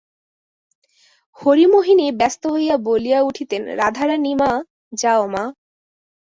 হরিমোহিনী ব্যস্ত হইয়া বলিয়া উঠিতেন, রাধারানী মা, যাও মা!